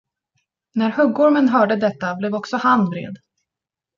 När huggormen hörde detta, blev också han vred.